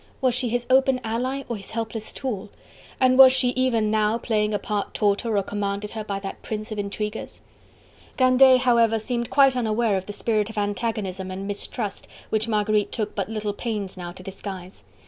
Was she his open ally, or his helpless tool? And was she even now playing a part taught her or commanded her by that prince of intriguers? Candeille, however, seemed quite unaware of the spirit of antagonism and mistrust which Marguerite took but little pains now to disguise.